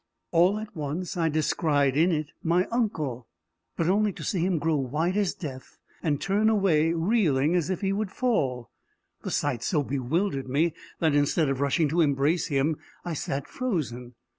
All at once I descried in it my uncle but only to see him grow white as death, and turn away, reeling as if he would fall. The sight so bewildered me that, instead of rushing to embrace him, I sat frozen.